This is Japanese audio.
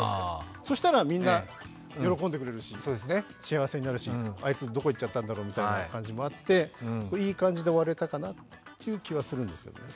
そしたらみんな、喜んでくれるし幸せになるしあいつ、どこ行っちゃったんだろうという感じもあっていい感じで終われたかなって感じがするんですけど。